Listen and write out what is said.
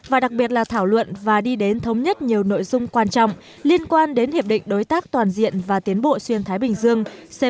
và đặc biệt là thảo luận và đi đến thống nhất nhiều nội dung quan trọng liên quan đến hiệp định đối tác toàn diện và tiến bộ xuyên thái bình dương